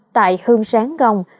tại hương sáng gồng